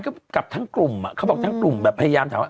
ก็กับทั้งกลุ่มเขาบอกทั้งกลุ่มพยายาม